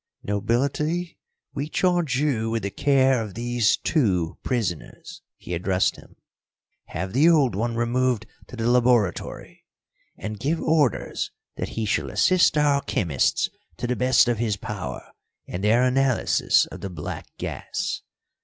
"Nobility, we charge you with the care of these two prisoners," he addressed him. "Have the old one removed to the laboratory, and give orders that he shall assist our chemists to the best of his power in their analysis of the black gas.